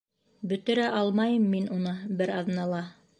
Бөтөрә алмайым мин уны бер аҙнала.